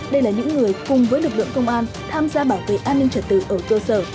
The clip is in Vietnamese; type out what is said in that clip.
đây là những người cùng với lực lượng công an tham gia bảo vệ an ninh trật tự ở cơ sở